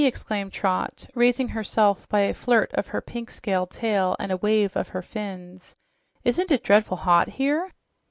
exclaimed Trot, raising herself by a flirt of her pink scaled tail and a wave of her fins, "isn't it dreadful hot here?"